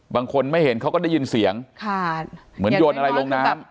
บางคนไม่เห็นเขาก็ได้ยินเสียงค่ะเหมือนโยนอะไรลงน้ำ